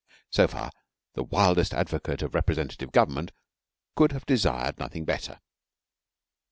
So far the wildest advocate of representative government could have desired nothing better.